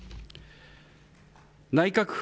内閣府